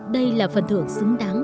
đây là phần thưởng xứng đáng